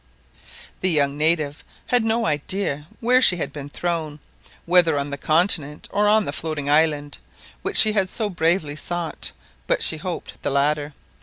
The young native had no idea where she had been thrown, whether on the continent or on the floating island, which she had so bravely sought, but she hoped the latter.